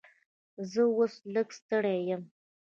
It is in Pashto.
زه اوس لږ ستړی یم.